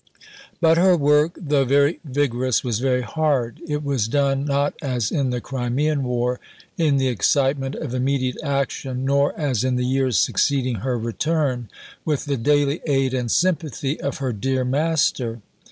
But her work, though very vigorous, was very hard. It was done, not as in the Crimean war, in the excitement of immediate action, nor, as in the years succeeding her return, with the daily aid and sympathy of her "dear Master."